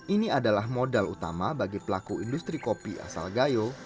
ini adalah modal utama bagi pelaku industri kopi asal gayo